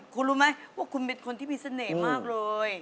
คุณรู้ไหมว่าคุณเป็นคนที่มีเสน่ห์มากเลย